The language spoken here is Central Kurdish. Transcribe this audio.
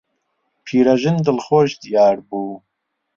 پیرەژن دڵخۆش دیار بوو.